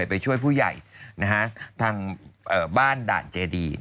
ไปช่วยผู้ใหญ่ทางบ้านด่านเจดี